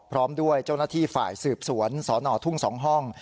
พร้อมด้วยเจ้าหน้าที่ฝ่ายสืบสวนสนทุ่ง๒ห้อง